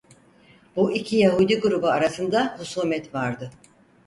Bu iki Yahudi grubu arasında husumet vardı.